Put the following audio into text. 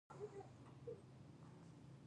یو سل او یو څلویښتمه پوښتنه د طرزالعمل په اړه ده.